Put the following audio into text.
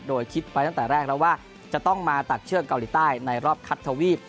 โดยคิดไว้ตั้งแต่แรกแล้วว่าจะต้องมาตัดเชือกเกาหลีใต้ในรอบคัดทวีป